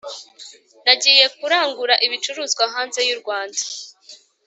Nagiye kurangura ibicuruzwa hanze y’urwanda